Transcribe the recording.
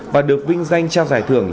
và được vinh danh trao giải thưởng